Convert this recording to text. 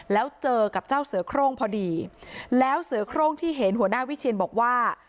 แล้วเจอกับเจ้าเสือโครงพอดีแล้วเสือโครงที่เห็นหัวหน้าวิเชียนบอกว่า